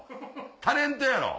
タレントやろ？